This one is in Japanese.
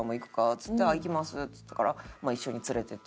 っつって「行きます」っつったから一緒に連れてって。